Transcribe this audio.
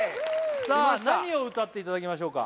さあ何を歌っていただきましょうか？